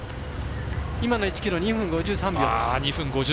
今の１ｋｍ、２分５３秒です。